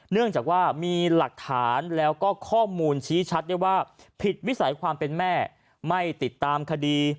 เนื่องจากว่ามีหลักฐานแล้วก็ข้อมูลชี้ชัดได้ว่าผิดวิสัยความเป็นแม่ไม่ติดตามคดี